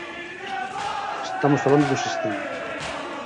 Estamos falando do sistema.